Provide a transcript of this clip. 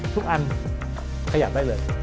ทุกอันขยับได้เลย